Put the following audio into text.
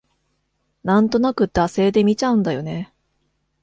なんとなく惰性で見ちゃうんだよね